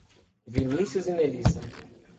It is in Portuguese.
Vinicius e Melissa